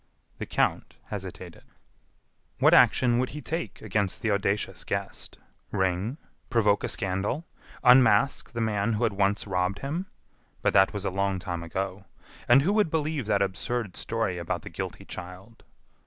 The count hesitated. What action would he take against the audacious guest? Ring? Provoke a scandal? Unmask the man who had once robbed him? But that was a long time ago! And who would believe that absurd story about the guilty child?